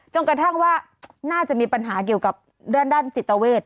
กระทั่งว่าน่าจะมีปัญหาเกี่ยวกับด้านจิตเวท